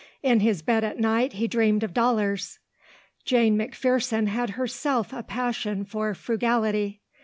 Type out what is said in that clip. In his bed at night he dreamed of dollars. Jane McPherson had herself a passion for frugality.